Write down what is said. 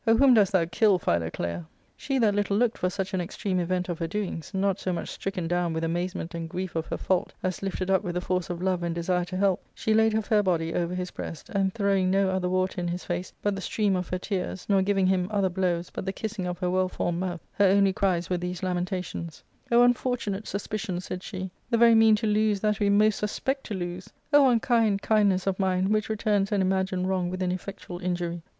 whom dost thou kill, Philoclea ?'* She that little looked for such an extreme event of her doings, not so much stricken down with amaze ment and grief of her fault as lifted up with the force of love and desire to help, she laid her fair body over his breast, and throwing no other water in his face but the stream of her tears, nor giving him other blows but the kissing of her well formed mouth, her only cries were these lamentations :" O unfortunate suspicion," said she —" the very mean to lose that we most suspect to lose ! O unkind kindness of mine, which returns an imagined wrong with an effectual injury